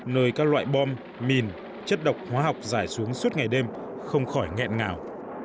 nơi các loại bom mìn chất độc hóa học giải xuống suốt ngày đêm không khỏi nghẹn ngào